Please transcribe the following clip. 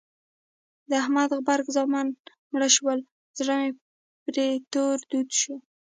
د احمد غبرګ زامن مړه شول؛ زړه مې پر تور دود شو.